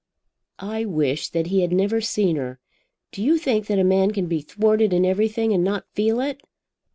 "I wish that he had never seen her. Do you think that a man can be thwarted in everything and not feel it?"